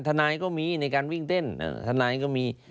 ทนายก็มีในการวิ่งเต้นทนายก็มี